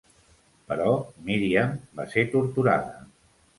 Però Miriam va ser torturada.